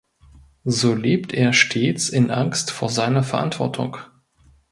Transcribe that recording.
So lebt er stets in Angst vor seiner Verantwortung.